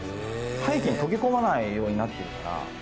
背景に溶け込まないようになってるから。